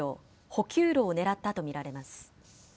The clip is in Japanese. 補給路を狙ったと見られます。